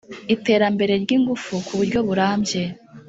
Iterambere ry ingufu ku buryo burambye